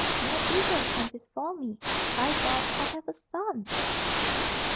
No evil can befall me By God, I have a son!